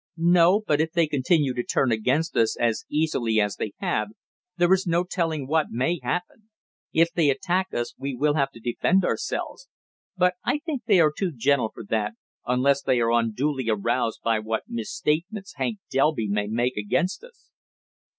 "No, but if they continue to turn against us as easily as they have, there is no telling what may happen. If they attack us we will have to defend ourselves. But I think they are too gentle for that, unless they are unduly aroused by what misstatements Hank Delby may make against us."